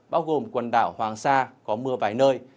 bao gồm quần đảo hoàng sa có mưa vài nơi